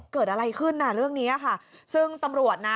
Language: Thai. เกิดอะไรขึ้นน่ะเรื่องเนี้ยค่ะซึ่งตำรวจนะ